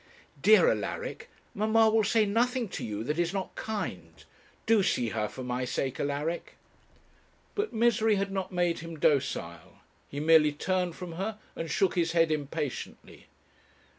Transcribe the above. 'Dear Alaric, mamma will say nothing to you that is not kind; do see her, for my sake, Alaric.' But misery had not made him docile. He merely turned from her, and shook his head impatiently.